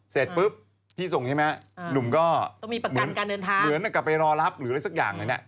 เสร็จปุ๊บพี่ส่งใช่ไหมหนุ่มก็เหมือนกับไปรอรับหรืออะไรสักอย่าง